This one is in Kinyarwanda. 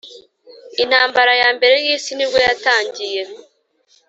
Intambara yambere y’isi nibwo yatangiye